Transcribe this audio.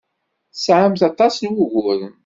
Tesɛamt aṭas n wuguren.